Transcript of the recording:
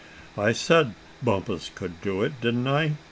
"I said Bumpus could do it, didn't I?"